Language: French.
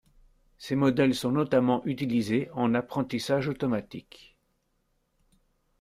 Ces modèles sont notamment utilisés en apprentissage automatique.